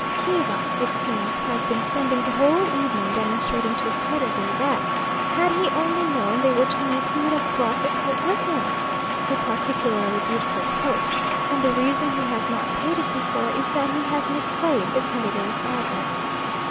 Kiva, it seems, has been spending the whole evening demonstrating to his creditor that, had he only known they were to meet, he would have brought the coat with him a particularly beautiful coat and the reason he has not paid it before is that he has mislaid the creditor's address.